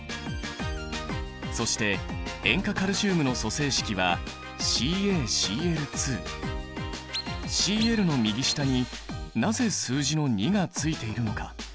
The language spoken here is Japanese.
そして塩化カルシウムの組成式は「Ｃｌ」の右下になぜ数字の２がついているのか？